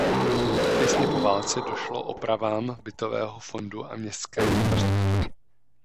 Těsně po válce došlo opravám bytového fondu a městské infrastruktury.